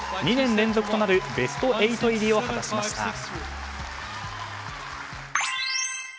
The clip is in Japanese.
２年連続となるベスト８入りを果たしました。